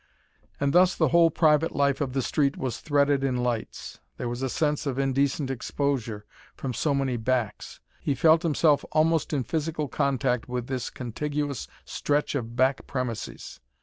And thus the whole private life of the street was threaded in lights. There was a sense of indecent exposure, from so many backs. He felt himself almost in physical contact with this contiguous stretch of back premises.